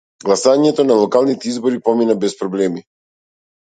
Гласањето на локалните избори помина без проблеми.